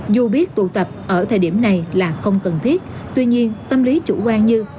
dù biết tụ tập ở thời điểm này là không cần thiết tuy nhiên tâm lý chủ quan như